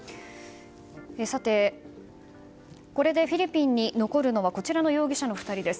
これでフィリピンに残るのはこちらの容疑者の２人です。